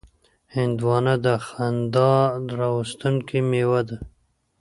هندوانه د خندا راوستونکې میوه ده.